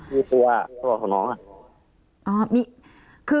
มีตัวของน้อง